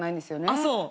あっそう。